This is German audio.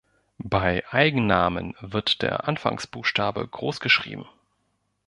Bei Eigennamen wird der Anfangsbuchstabe groß geschrieben.